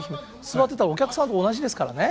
座ってたらお客さんと同じですからね。